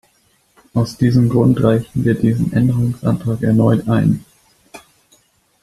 Aus diesem Grund reichen wir diesen Änderungsantrag erneut ein.